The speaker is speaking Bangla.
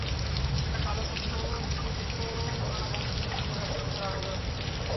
একটা কালো কঠোর ক্ষুধিত জরা বাহির থেকে কুমুকে গ্রাস করছে রাহুর মতো।